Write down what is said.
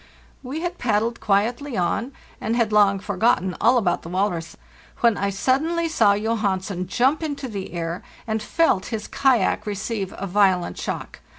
We had _ paddled quietly on, and had long forgotten all about the walrus, when I suddenly saw Johansen jump into the air and felt his kayak receive a violent shock.